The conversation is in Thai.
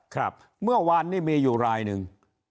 ครับเมื่อวานนี้มีอยู่รายหนึ่ง